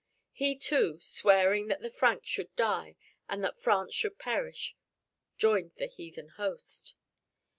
He too, swearing that the Franks should die and that France should perish, joined the heathen host.